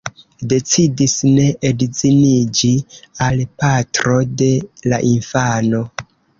Decidis ne edziniĝi al patro de la infano.